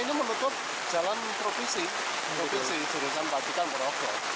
ini menutup jalan provinsi provinsi jurusan pacitan ponorogo